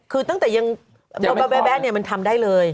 คือตั้งแต่ยังแบ๊ะเนี่ยมันทำได้เลย